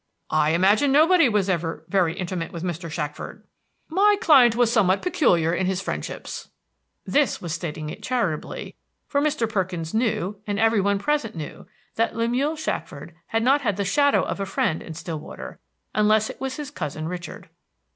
"I imagine nobody was ever very intimate with Mr. Shackford." "My client was somewhat peculiar in his friendships." This was stating it charitably, for Mr. Perkins knew, and every one present knew, that Lemuel Shackford had not had the shadow of a friend in Stillwater, unless it was his cousin Richard.